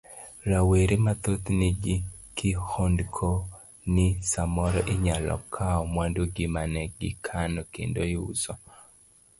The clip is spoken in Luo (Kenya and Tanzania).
Rawere mathoth nigi kihondko ni samoro inyalo kawo mwandu gi mane gikano kendo iuso.